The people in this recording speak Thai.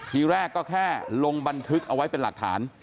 ทีแรกก็แค่ลงบันทึกเอาไว้เป็นหลักฐาน